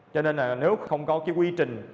cho nên là nếu không có cái quy trình